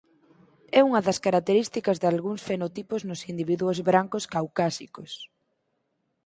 É unha das características dalgúns fenotipos nos individuos brancos caucásicos.